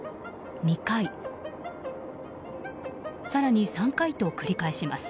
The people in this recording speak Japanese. ２回、更に３回と繰り返します。